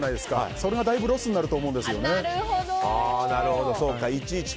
それがだいぶロスになると思うんですよね。